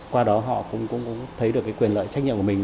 qua đó họ cũng thấy được cái quyền lợi trách nhiệm của mình